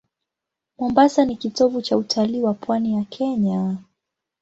Mombasa ni kitovu cha utalii wa pwani ya Kenya.